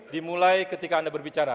dimulai ketika anda berbicara